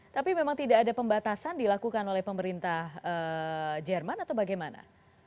tapi memang tidak ada pembatasan dilakukan oleh pemerintah jerman atau bagaimana